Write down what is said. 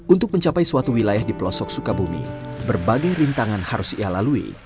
untuk mencapai suatu wilayah di pelosok sukabumi berbagai rintangan harus ia lalui